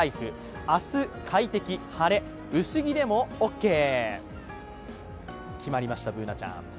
明日快適晴れ、薄着でもオーケー決まりました、Ｂｏｏｎａちゃん。